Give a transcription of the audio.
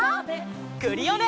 クリオネ！